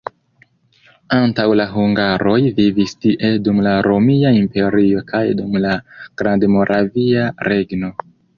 Antaŭ la hungaroj vivis tie dum la Romia Imperio kaj dum la Grandmoravia Regno.